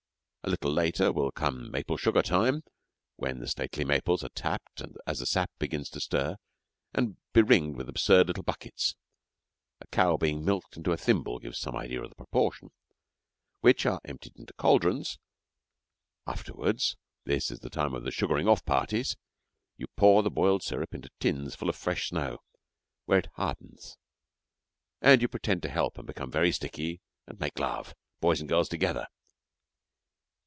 A little later will come maple sugar time, when the stately maples are tapped as the sap begins to stir, and be ringed with absurd little buckets (a cow being milked into a thimble gives some idea of the disproportion), which are emptied into cauldrons. Afterwards (this is the time of the 'sugaring off parties') you pour the boiled syrup into tins full of fresh snow, where it hardens, and you pretend to help and become very sticky and make love, boys and girls together.